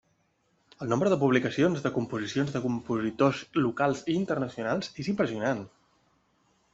El nombre de publicacions de composicions de compositors locals i internacionals és impressionant.